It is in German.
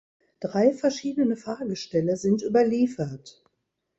Drei verschiedene Fahrgestelle sind überliefert.